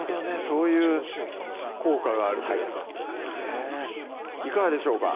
そういう効果があるというかへぇいかがでしょうか？